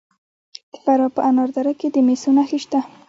د فراه په انار دره کې د مسو نښې شته.